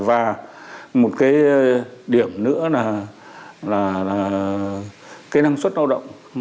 và một cái điểm nữa là cái năng suất lao động